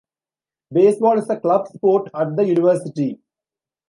Baseball is a club sport at the university.